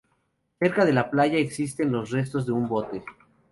Cerca de la playa, existen los restos de un bote.